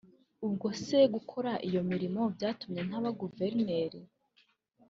ubwo se gukora iyo mirimo byatumye ntaba Guverineri